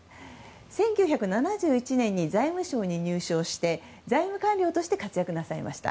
１９７１年に財務省に入省して財務官僚として活躍なさいました。